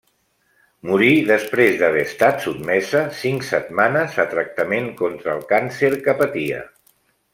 Morí després d'haver estat sotmesa cinc setmanes a tractament contra el càncer que patia.